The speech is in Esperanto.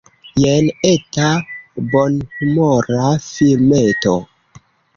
Jen eta bonhumora filmeto.